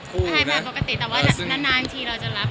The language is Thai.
ใช่แบบปกติแต่ว่านานทีเราจะรับ